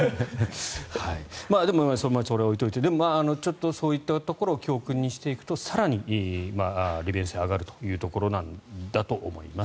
でもそれは置いておいてそういったところを教訓にしていくと更に利便性が上がるということなんだと思います。